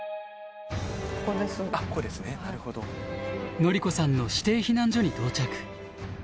のりこさんの指定避難所に到着。